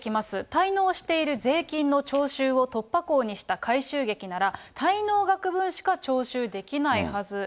滞納している税金の徴収を突破口にした回収劇なら、滞納額分しか徴収できないはず。